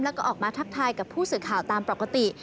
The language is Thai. แล้วก็ออกมาทักทายกับผู้สื่อข่าวตามปกติ